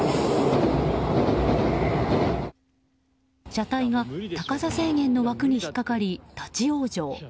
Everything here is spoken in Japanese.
車体が高さ制限の枠に引っ掛かり、立往生。